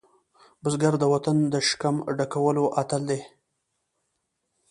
بزګر د وطن د شکم ډکولو اتل دی